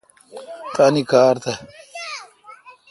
تانی کار تھ۔